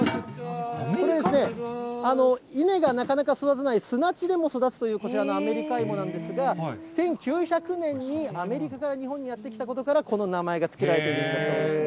これですね、稲がなかなか育たない砂地でも育つということで、こちらのあめりか芋なんですが、１９００年にアメリカから日本にやって来たことから、この名前が付けられているんだそうです。